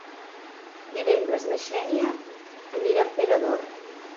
Divendres na Xènia anirà a Emperador.